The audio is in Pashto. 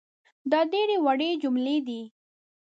دا ډېرې وړې جملې دي